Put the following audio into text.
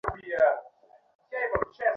আল্লাহর এ উটনীটি তোমাদের জন্যে একটি নিদর্শন।